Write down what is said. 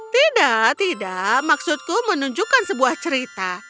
tidak tidak maksudku menunjukkan sebuah cerita